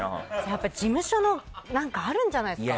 やっぱり、事務所の何かあるんじゃないですか？